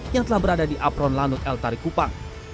yang telah berada di apron lanut el tari kupang